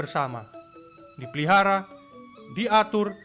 juga ke patung besok